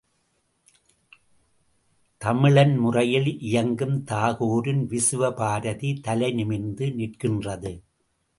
தமிழன் முறையில் இயங்கும் தாகூரின் விசுவ பாரதி தலை நிமிர்ந்து நிற்கின்றது.